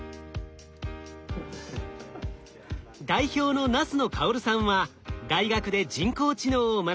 代表の那須野薫さんは大学で人工知能を学び